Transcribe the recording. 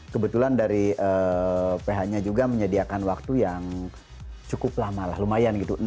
kebetulan dari ph nya juga menyediakan waktu yang cukup lama lah lumayan gitu